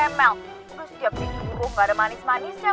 kemel terus tiap tinggi buku gak ada manis manisnya